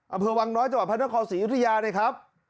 อ่ะเผื่อวังน้อยจังหวัดพันธกรศรีอยุธยาเนี่ยครับ